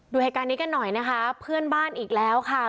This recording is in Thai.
ดูเหตุการณ์นี้กันหน่อยนะคะเพื่อนบ้านอีกแล้วค่ะ